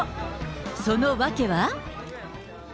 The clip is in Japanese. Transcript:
その訳は。